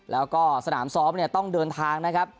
แล้วก็สนามซ้อมเนี่ยต้องเดินทางนะครับ